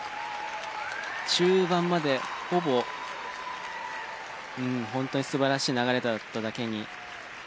中盤までほぼ本当に素晴らしい流れだっただけに。